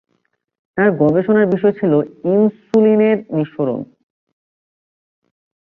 তার গবেষণার বিষয় ছিল ইনসুলিনের নিঃসরণ।